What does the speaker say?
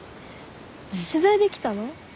取材で来たの？